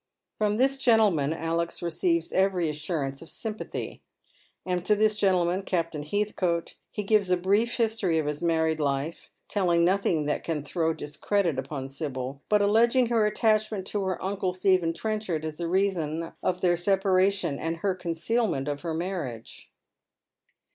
From thif i *^^Tis held that sorroio mahes us wise." 333 fffcntloinan Alexis receives every assurance of sympathy, and to this gentleman, Captain Heathcote, he gives a brief history of his married life, telling nothing that can throw discredit upoa Sibyl, but alleging her attachment to her uncle Stephen Tren chard, as the reason of their separation and her concealment of her maiTiage.